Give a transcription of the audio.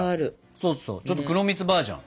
そうそうちょっと黒蜜バージョン。